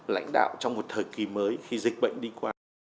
lãnh đạo trong một thời kỳ mới khi dịch bệnh đi qua